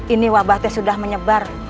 ini wabah teh sudah menyebar